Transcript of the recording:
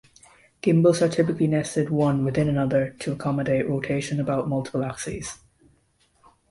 Gimbals are typically nested one within another to accommodate rotation about multiple axes.